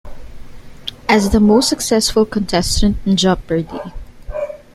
As the most successful contestant in Jeopardy!